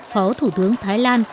phó thủ tướng thái lan